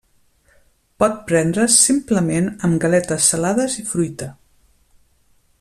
Pot prendre's simplement amb galetes salades i fruita.